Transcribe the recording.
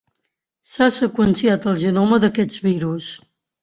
S'ha seqüenciat el genoma d'aquests virus.